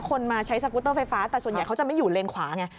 คนมาใช้สกุตเตอร์ไฟฟ้าแต่ส่วนใหญ่เขาจะไม่อยู่เลนขวาไง